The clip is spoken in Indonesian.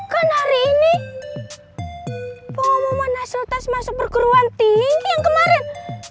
kan hari ini pengumuman hasil tes masuk perguruan tinggi yang kemarin